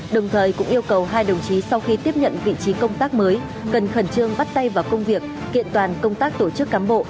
đồng thời cũng yêu cầu hai đồng chí sau khi tiếp nhận vị trí công tác mới cần khẩn trương bắt tay vào công việc kiện toàn công tác tổ chức cán bộ